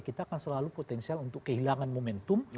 kita akan selalu potensial untuk kehilangan momentum